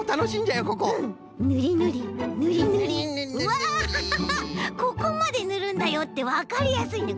わここまでぬるんだよってわかりやすいねこれ。